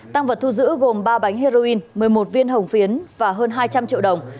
tăng vật thu giữ gồm ba bánh heroin một mươi một viên hồng phiến và hơn hai trăm linh triệu đồng